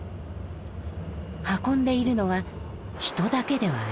運んでいるのは人だけではありません。